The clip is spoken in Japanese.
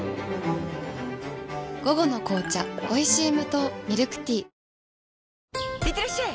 午後の紅茶おいしい無糖ミルクティーいってらっしゃい！